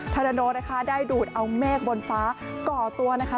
พาราโนนะคะได้ดูดเอาเมฆบนฟ้าก่อตัวนะคะ